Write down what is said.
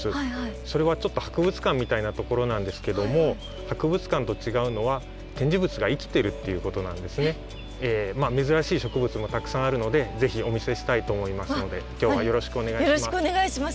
それはちょっと博物館みたいなところなんですけども珍しい植物もたくさんあるのでぜひお見せしたいと思いますので今日はよろしくお願いします。